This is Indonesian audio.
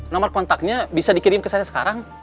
nomor kontaknya bisa dikirim ke saya sekarang